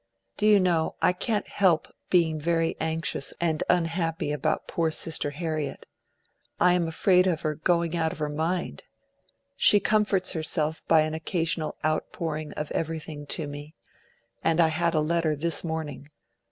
'Do you know I can't help being very anxious and unhappy about poor Sister Harriet. I am afraid of her GOING OUT OF HER MIND. She comforts herself by an occasional outpouring of everything to me, and I had a letter this morning....